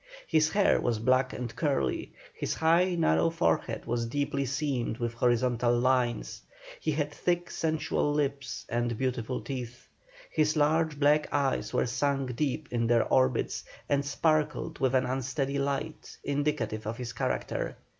His hair was black and curly; his high narrow forehead was deeply seamed with horizontal lines; he had thick, sensual lips, and beautiful teeth; his large black eyes were sunk deep in their orbits, and sparkled with an unsteady light, indicative of his character.